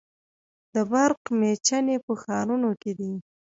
د برق میچنې په ښارونو کې دي.